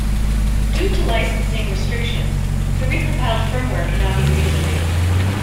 Due to licensing restrictions, the recompiled firmware cannot be redistributed.